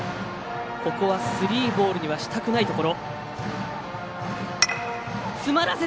ここはスリーボールにはしたくないところ。